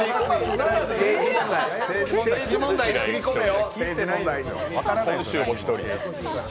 政治問題切り込めよ！